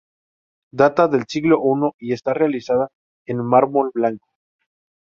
Data del siglo I y está realizada en mármol blanco.